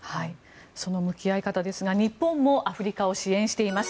その向き合い方ですが日本もアフリカを支援しています。